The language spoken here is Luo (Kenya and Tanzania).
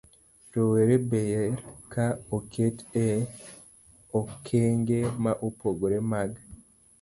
Rowere ber ka oket e okenge ma opogore mag